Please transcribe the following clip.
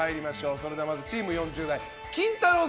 それでは、チーム４０代キンタロー。